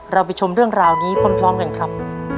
เราไปชมเรื่องราวนี้พร้อมกันครับ